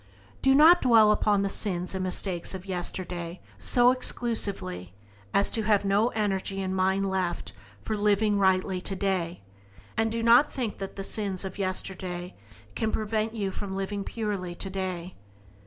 Do not dwell upon the sins and mistakes of yesterday so exclusively as to have no energy and mind left for living rightly today, and do not think that the sins of yesterday can prevent you from living purely today.